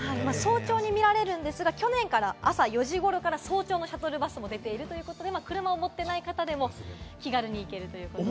早朝に見られるんですが、去年からは朝４時から早朝のシャトルバスも出ているということで、車を持っていない方でも気軽に行けるということですね。